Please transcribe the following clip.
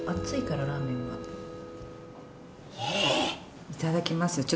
熱いからラーメンが。えいただきます。